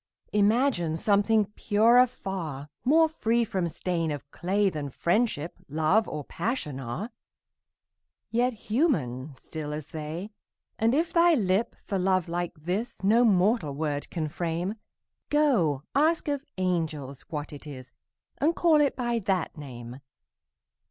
Imagine something purer far, More free from stain of clay Than Friendship, Love, or Passion are, Yet human, still as they: And if thy lip, for love like this, No mortal word can frame, Go, ask of angels what it is, And call it by that name!